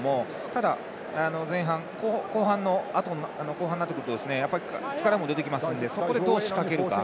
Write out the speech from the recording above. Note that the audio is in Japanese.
ただ、後半になってくると疲れも出てきますのでそこで、どう仕掛けるか。